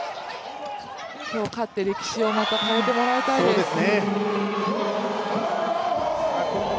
今日勝って、歴史をまた変えてもらいたいです。